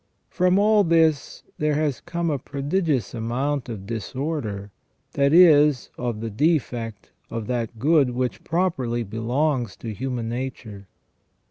From all this there has come a prodigious amount of disorder, that is, of the defect of that good which properly belongs to human nature.